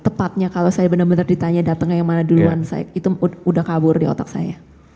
tepatnya kalau saya benar benar ditanya datang ke yang mana duluan itu udah kabur di otak saya